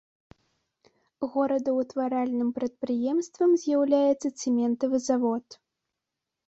Горадаўтваральным прадпрыемствам з'яўляецца цэментавы завод.